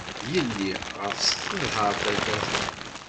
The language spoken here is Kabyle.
Yelli ɣef-s teḍher tafat.